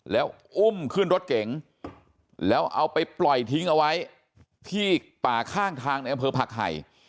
แล้วอุ้มขึ้นรถเก๋งแล้วเอาไปปล่อยทิ้งเอาไว้ที่ป่าข้างทางในอำเภอผักไห่